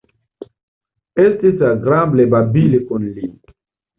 Estis agrable babili kun li.